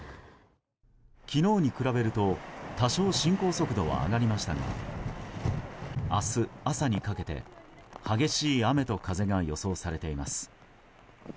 昨日に比べると多少、進行速度は上がりましたが明日朝にかけて激しい雨と風が予想されています。